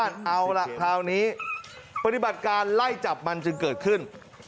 อันนี้ปฏิบัติการไล่จับมันจึงกำหนดเบิดขึ้น